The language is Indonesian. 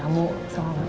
nggak akan lama ya